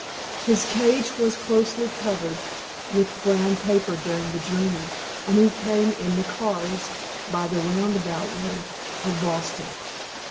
His cage was closely covered with brown paper during the journey, and he came in the cars, by the roundabout way of Boston.